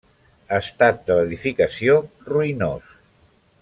Estat de l'edificació: ruïnós.